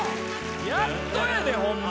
やっとやでホンマ。